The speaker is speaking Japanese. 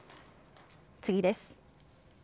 次です。